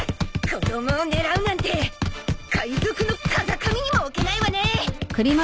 子供を狙うなんて海賊の風上にも置けないわね！